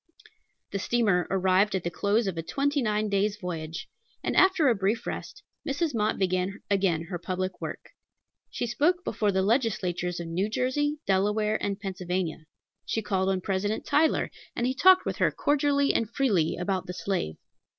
The steamer arrived at the close of a twenty nine days' voyage, and, after a brief rest, Mrs. Mott began again her public work. She spoke before the legislatures of New Jersey, Delaware, and Pennsylvania. She called on President Tyler, and he talked with her cordially and freely about the slave.